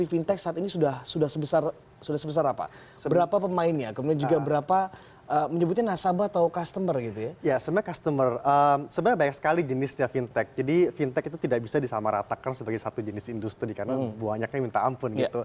vintech itu banyak sekali jenisnya vintech jadi vintech itu tidak bisa disamaratakan sebagai satu jenis industri karena banyak yang minta ampun